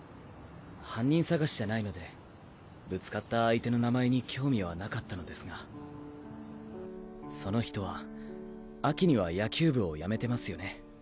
犯人捜しじゃないのでぶつかった相手の名前に興味はなかったのですがその人は秋には野球部を辞めてますよね。